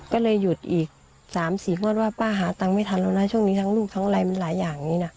ก็เลยหยุดอีก๓๔งวดว่าป้าหาตังค์ไม่ทันแล้วนะช่วงนี้ทั้งลูกทั้งอะไรมันหลายอย่างนี้นะ